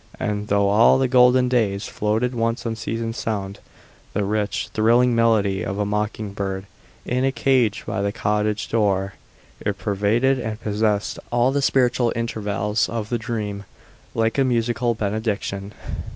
And through all the golden days floated one unceasing sound the rich, thrilling melody of a mocking bird in a cage by the cottage door. It pervaded and possessed all the spiritual intervals of the dream, like a musical benediction.